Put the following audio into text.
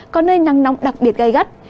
có nơi nắng nóng đặc biệt gai gắt